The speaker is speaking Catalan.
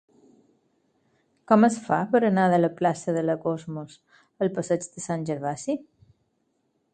Com es fa per anar de la plaça de la Cosmos al passeig de Sant Gervasi?